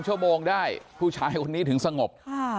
ชั่วโมงได้ผู้ชายคนนี้ถึงสงบ